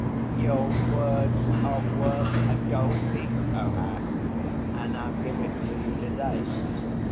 "Your words are worth a gold piece, O ass, and I'll give it to you to‐day.